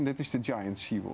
itu adalah panggung laut besar